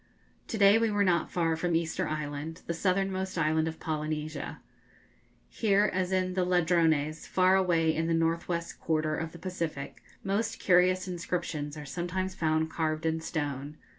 To day we were not far from Easter Island, the southernmost island of Polynesia. Here as in the Ladrones, far away in the north west quarter of the Pacific, most curious inscriptions are sometimes found carved in stone.